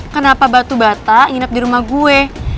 kenapa batu bata nginep di rumah gue